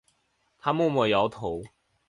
他默默摇头